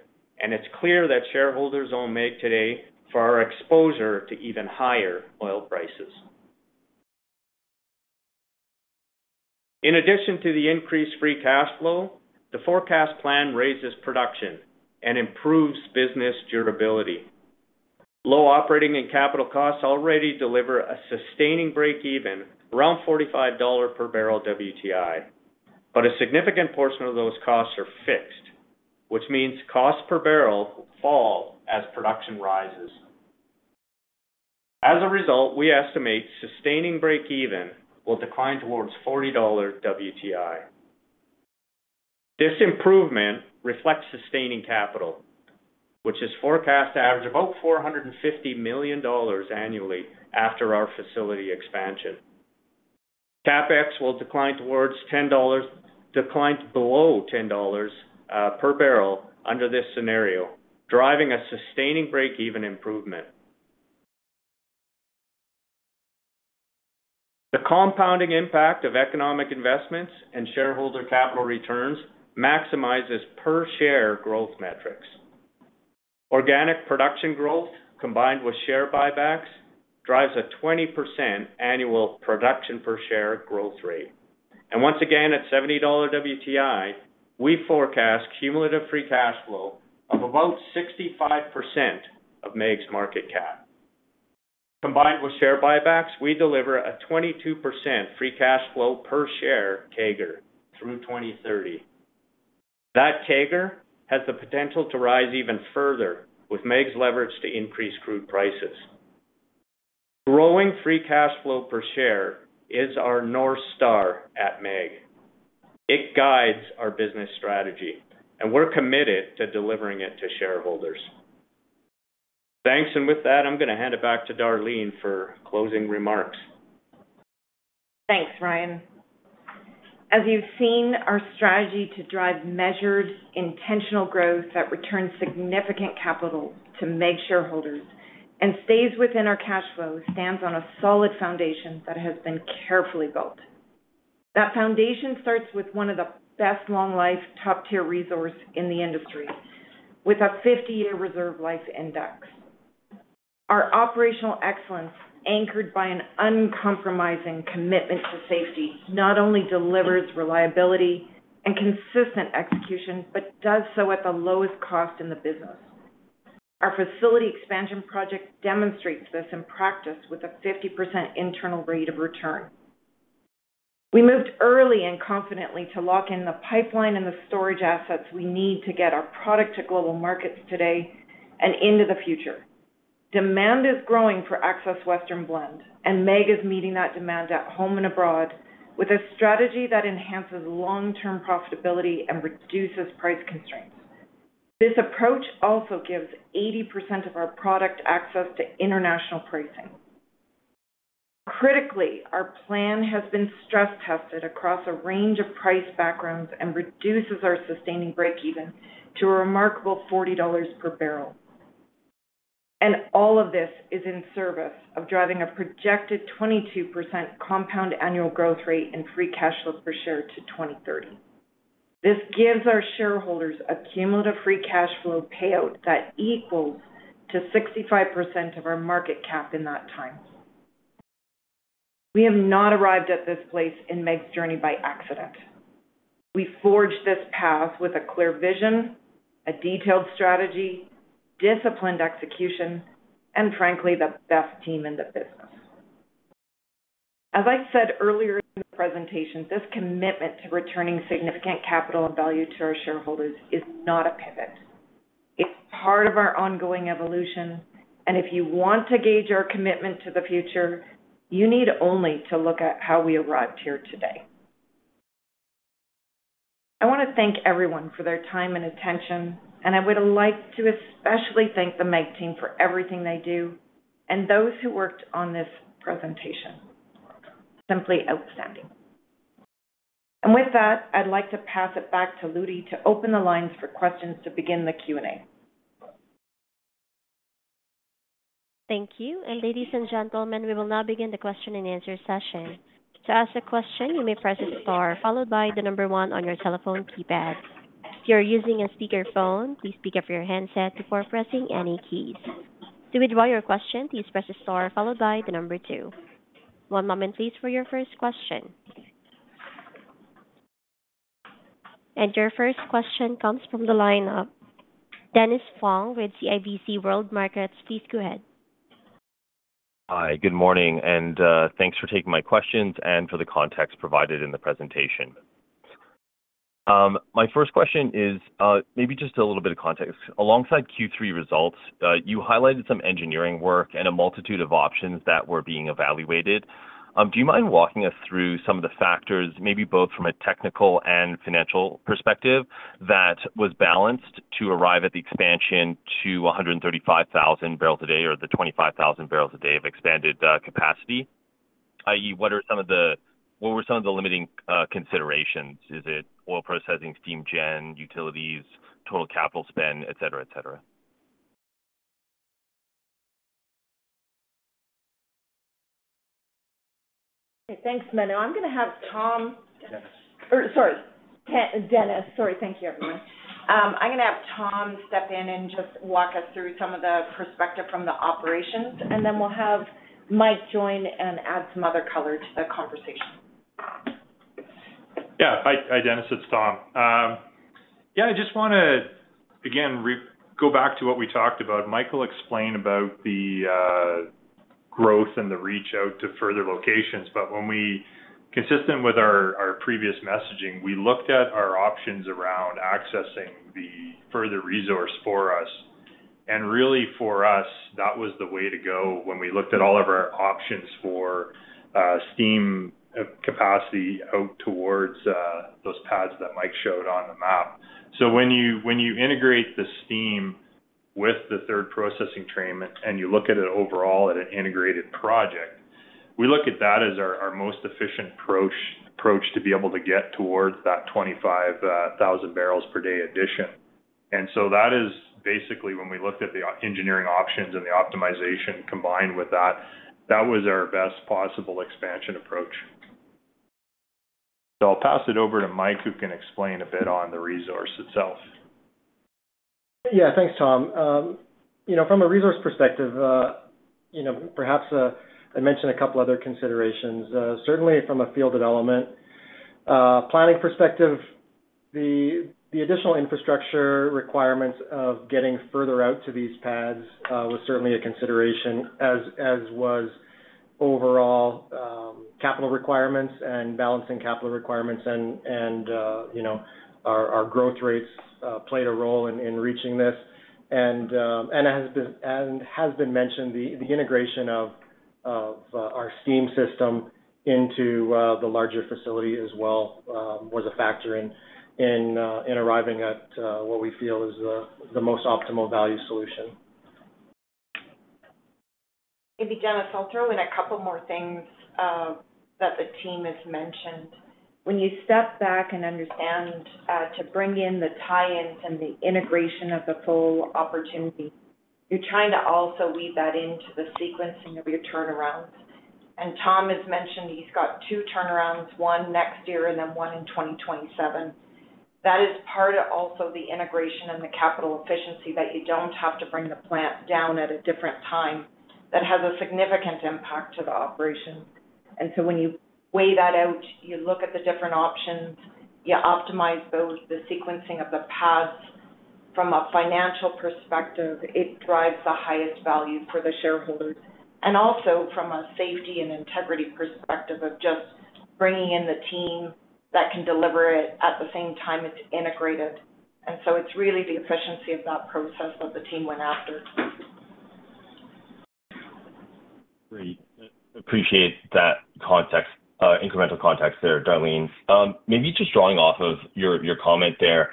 G: and it's clear that shareholders own MEG today for our exposure to even higher oil prices. In addition to the increased free cash flow, the forecast plan raises production and improves business durability. Low operating and capital costs already deliver a sustaining breakeven around $45 per barrel WTI, but a significant portion of those costs are fixed, which means costs per barrel fall as production rises. As a result, we estimate sustaining breakeven will decline towards $40 WTI. This improvement reflects sustaining capital, which is forecast to average about $450 million annually after our facility expansion. CapEx will decline towards $10, declined below $10 per barrel under this scenario, driving a sustaining breakeven improvement. The compounding impact of economic investments and shareholder capital returns maximizes per share growth metrics. Organic production growth combined with share buybacks drives a 20% annual production per share growth rate, and once again, at $70 WTI, we forecast cumulative free cash flow of about 65% of MEG's market cap. Combined with share buybacks, we deliver a 22% free cash flow per share CAGR through 2030. That CAGR has the potential to rise even further with MEG's leverage to increase crude prices. Growing free cash flow per share is our North Star at MEG. It guides our business strategy, and we're committed to delivering it to shareholders. Thanks, and with that, I'm going to hand it back to Darlene for closing remarks.
C: Thanks, Ryan. As you've seen, our strategy to drive measured, intentional growth that returns significant capital to MEG shareholders and stays within our cash flow stands on a solid foundation that has been carefully built. That foundation starts with one of the best long-life, top-tier resources in the industry with a 50-year reserve life index. Our operational excellence, anchored by an uncompromising commitment to safety, not only delivers reliability and consistent execution, but does so at the lowest cost in the business. Our facility expansion project demonstrates this in practice with a 50% internal rate of return. We moved early and confidently to lock in the pipeline and the storage assets we need to get our product to global markets today and into the future. Demand is growing for Access Western Blend, and MEG is meeting that demand at home and abroad with a strategy that enhances long-term profitability and reduces price constraints. This approach also gives 80% of our product access to international pricing. Critically, our plan has been stress-tested across a range of price backgrounds and reduces our sustaining breakeven to a remarkable $40 per barrel. And all of this is in service of driving a projected 22% compound annual growth rate in free cash flow per share to 2030. This gives our shareholders a cumulative free cash flow payout that equals to 65% of our market cap in that time. We have not arrived at this place in MEG's journey by accident. We forged this path with a clear vision, a detailed strategy, disciplined execution, and frankly, the best team in the business. As I said earlier in the presentation, this commitment to returning significant capital and value to our shareholders is not a pivot. It's part of our ongoing evolution, and if you want to gauge our commitment to the future, you need only to look at how we arrived here today. I want to thank everyone for their time and attention, and I would like to especially thank the MEG team for everything they do and those who worked on this presentation. Simply outstanding. And with that, I'd like to pass it back to Ludi to open the lines for questions to begin the Q&A.
A: Thank you. Ladies and gentlemen, we will now begin the question and answer session. To ask a question, you may press the star followed by the number one on your telephone keypad. If you're using a speakerphone, please pick up your headset before pressing any keys. To withdraw your question, please press the star followed by the number two. One moment, please, for your first question. And your first question comes from the lineup. Dennis Fong with CIBC World Markets, please go ahead.
H: Hi, good morning, and thanks for taking my questions and for the context provided in the presentation. My first question is maybe just a little bit of context. Alongside Q3 results, you highlighted some engineering work and a multitude of options that were being evaluated. Do you mind walking us through some of the factors, maybe both from a technical and financial perspective, that was balanced to arrive at the expansion to 135,000 barrels a day or the 25,000 barrels a day of expanded capacity? i.e., what were some of the limiting considerations? Is it oil processing, steam gen, utilities, total capital spend, etc., etc.?
C: Thanks, Menno. Now I'm going to have Tom or sorry, Dennis. Sorry, thank you, everyone. I'm going to have Tom step in and just walk us through some of the perspective from the operations, and then we'll have Mike join and add some other color to the conversation.
E: Yeah, hi, Dennis. It's Tom. Yeah, I just want to, again, go back to what we talked about. Mike explained about the growth and the reach out to further locations, but when we're consistent with our previous messaging, we looked at our options around accessing the further resource for us. And really, for us, that was the way to go when we looked at all of our options for steam capacity out towards those pads that Mike showed on the map. So when you integrate the steam with the third processing train and you look at it overall at an integrated project, we look at that as our most efficient approach to be able to get towards that 25,000 barrels per day addition. And so that is basically when we looked at the engineering options and the optimization combined with that, that was our best possible expansion approach. So I'll pass it over to Mike, who can explain a bit on the resource itself.
D: Yeah, thanks, Tom. From a resource perspective, perhaps I mentioned a couple of other considerations. Certainly, from a field development planning perspective, the additional infrastructure requirements of getting further out to these pads was certainly a consideration, as was overall capital requirements and balancing capital requirements, and our growth rates played a role in reaching this. And as has been mentioned, the integration of our steam system into the larger facility as well was a factor in arriving at what we feel is the most optimal value solution.
C: Maybe just to throw in a couple more things that the team has mentioned. When you step back and understand to bring in the tie-ins and the integration of the full opportunity, you're trying to also weave that into the sequencing of your turnarounds. And Tom has mentioned he's got two turnarounds, one next year and then one in 2027. That is part of also the integration and the capital efficiency that you don't have to bring the plant down at a different time that has a significant impact to the operation. And so when you weigh that out, you look at the different options, you optimize both the sequencing of the pads from a financial perspective. It drives the highest value for the shareholders. And also from a safety and integrity perspective of just bringing in the team that can deliver it at the same time it's integrated. And so it's really the efficiency of that process that the team went after.
H: Great. Appreciate that incremental context there, Darlene. Maybe just drawing off of your comment there,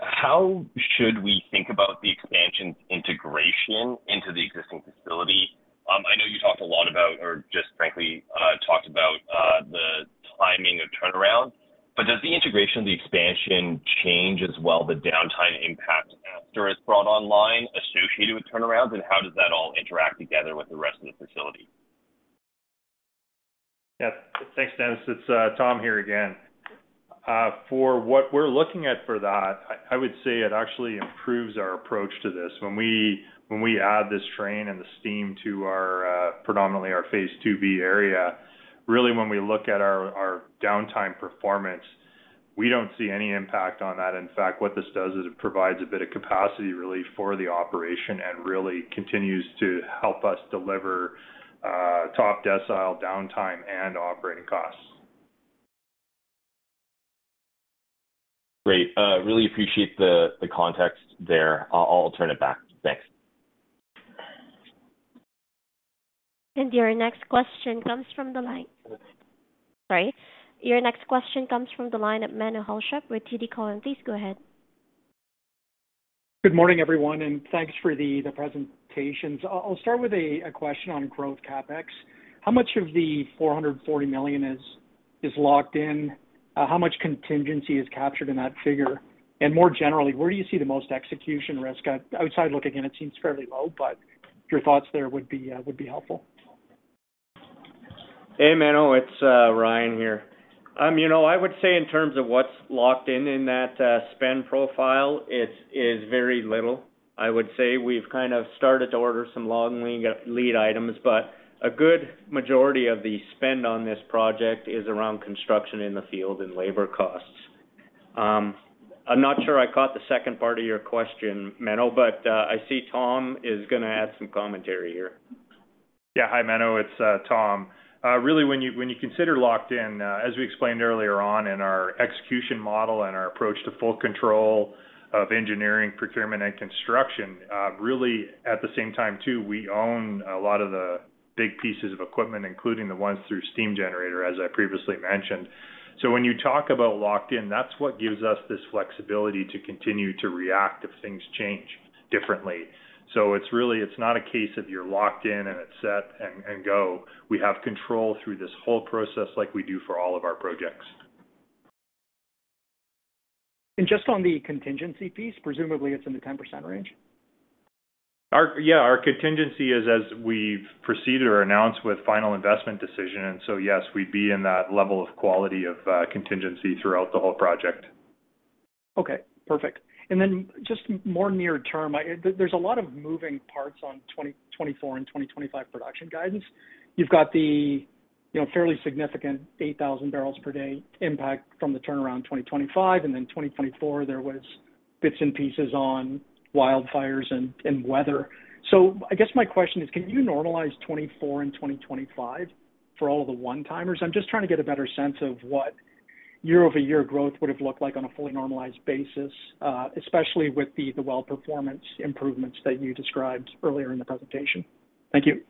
H: how should we think about the expansion's integration into the existing facility? I know you talked a lot about, or just frankly, talked about the timing of turnarounds, but does the integration of the expansion change as well the downtime impact after it's brought online associated with turnarounds, and how does that all interact together with the rest of the facility?
E: Yes. Thanks, Dennis. It's Tom here again. For what we're looking at for that, I would say it actually improves our approach to this. When we add this train and the steam to predominantly our Phase 2B area, really when we look at our downtime performance, we don't see any impact on that. In fact, what this does is it provides a bit of capacity relief for the operation and really continues to help us deliver top decile downtime and operating costs.
H: Great. Really appreciate the context there. I'll turn it back. Thanks.
A: And your next question comes from the line. Sorry. Your next question comes from the line at Menno Hulshof with TD Cowen. Please go ahead.
I: Good morning, everyone, and thanks for the presentations. I'll start with a question on growth CapEx. How much of the 440 million is locked in? How much contingency is captured in that figure? And more generally, where do you see the most execution risk? Outside looking in, it seems fairly low, but your thoughts there would be helpful.
G: Hey, Menno. It's Ryan here. I would say in terms of what's locked in in that spend profile, it is very little. I would say we've kind of started to order some long lead items, but a good majority of the spend on this project is around construction in the field and labor costs. I'm not sure I caught the second part of your question, Menno, but I see Tom is going to add some commentary here.
E: Yeah. Hi, Menno. It's Tom. Really, when you consider locked in, as we explained earlier on in our execution model and our approach to full control of engineering, procurement, and construction, really at the same time too, we own a lot of the big pieces of equipment, including the once-through steam generators, as I previously mentioned. So, when you talk about locked in, that's what gives us this flexibility to continue to react if things change differently. So, it's really a case if you're locked in and it's set and go. We have control through this whole process like we do for all of our projects.
I: And just on the contingency piece, presumably it's in the 10% range?
E: Yeah. Our contingency is as we've proceeded or announced with final investment decision. And so yes, we'd be in that level of quality of contingency throughout the whole project.
I: Okay. Perfect. Then just more near term, there's a lot of moving parts on 2024 and 2025 production guidance. You've got the fairly significant 8,000 barrels per day impact from the turnaround 2025, and then 2024, there were bits and pieces on wildfires and weather. So, I guess my question is, can you normalize 2024 and 2025 for all of the one-timers? I'm just trying to get a better sense of what year-over-year growth would have looked like on a fully normalized basis, especially with the well-performance improvements that you described earlier in the presentation. Thank you.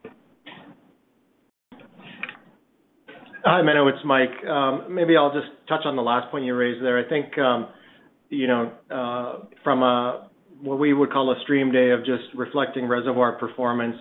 D: Hi, Menno. It's Mike. Maybe I'll just touch on the last point you raised there. I think from what we would call a stream day of just reflecting reservoir performance,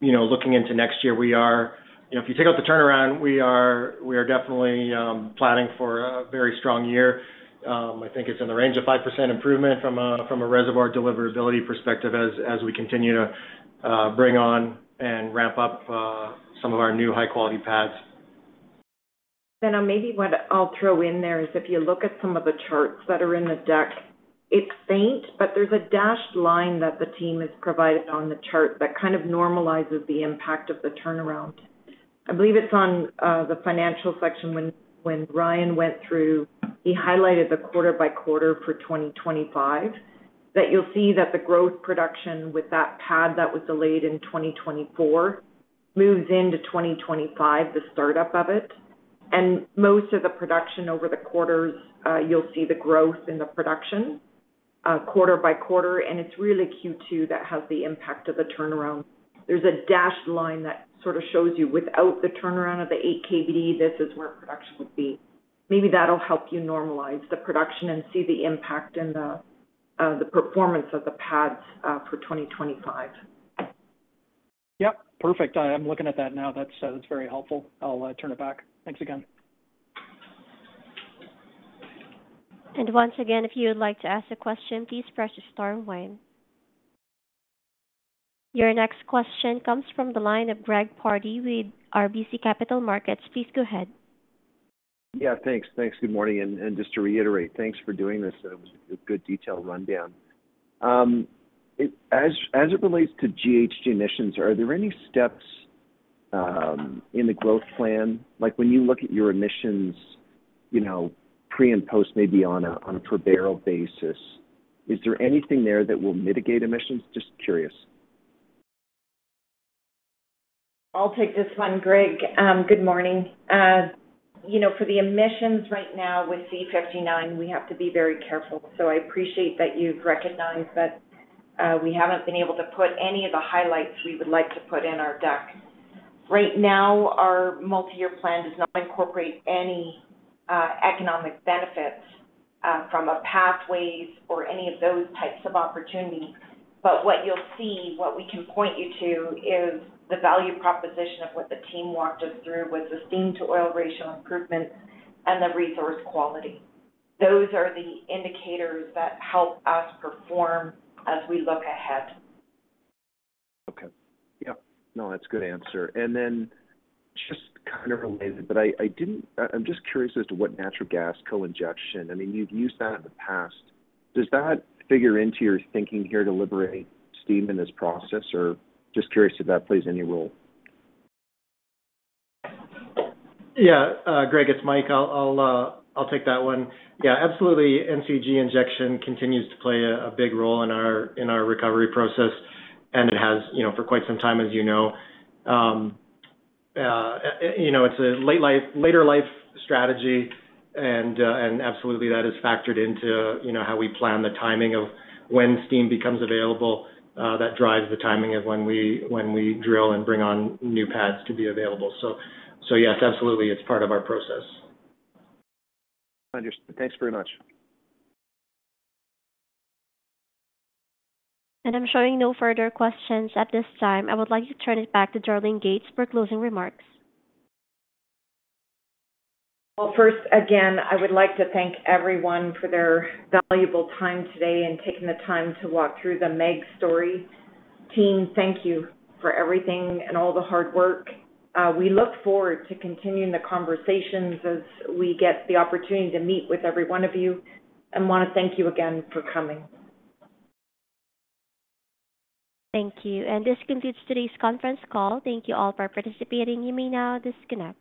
D: looking into next year, we are if you take out the turnaround, we are definitely planning for a very strong year. I think it's in the range of 5% improvement from a reservoir deliverability perspective as we continue to bring on and ramp up some of our new high-quality pads. Then maybe what I'll throw in there is if you look at some of the charts that are in the deck, it's faint, but there's a dashed line that the team has provided on the chart that kind of normalizes the impact of the turnaround. I believe it's on the financial section when Ryan went through, he highlighted the quarter-by-quarter for 2025, that you'll see that the growth production with that pad that was delayed in 2024 moves into 2025, the startup of it. And most of the production over the quarters, you'll see the growth in the production quarter-by-quarter, and it's really Q2 that has the impact of the turnaround. There's a dashed line that sort of shows you without the turnaround of the 8 KBD, this is where production would be. Maybe that'll help you normalize the production and see the impact in the performance of the pads for 2025.
I: Yep. Perfect. I'm looking at that now. That's very helpful. I'll turn it back. Thanks again.
A: And once again, if you would like to ask a question, please press the star and one. Your next question comes from the line of Greg Pardy with RBC Capital Markets. Please go ahead.
J: Yeah. Thanks. Thanks. Good morning. And just to reiterate, thanks for doing this good, detailed rundown. As it relates to GHG emissions, are there any steps in the growth plan? When you look at your emissions pre and post, maybe on a per-barrel basis, is there anything there that will mitigate emissions? Just curious.
C: I'll take this one, Greg. Good morning. For the emissions right now with C-59, we have to be very careful. So, I appreciate that you've recognized that we haven't been able to put any of the highlights we would like to put in our deck. Right now, our multi-year plan does not incorporate any economic benefits from Pathways or any of those types of opportunities. But what you'll see, what we can point you to, is the value proposition of what the team walked us through with the steam-to-oil ratio improvements and the resource quality. Those are the indicators that help us perform as we look ahead.
J: Okay. Yep. No, that's a good answer. And then just kind of related, but I'm just curious as to what natural gas co-injection. I mean, you've used that in the past. Does that figure into your thinking here to liberate steam in this process? Or just curious if that plays any role.
D: Yeah. Greg, it's Mike. I'll take that one. Yeah. Absolutely. NCG injection continues to play a big role in our recovery process, and it has for quite some time, as you know. It's a later-life strategy, and absolutely that is factored into how we plan the timing of when steam becomes available. That drives the timing of when we drill and bring on new pads to be available. So yes, absolutely. It's part of our process.
J: Understood. Thanks very much.
A: And I'm showing no further questions at this time. I would like to turn it back to Darlene Gates for closing remarks.
C: Well, first, again, I would like to thank everyone for their valuable time today and taking the time to walk through the MEG story. Team, thank you for everything and all the hard work. We look forward to continuing the conversations as we get the opportunity to meet with every one of you. And I want to thank you again for coming.
A: Thank you. And this concludes today's conference call. Thank you all for participating. You may now disconnect.